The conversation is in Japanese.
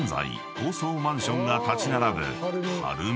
高層マンションが立ち並ぶ晴海］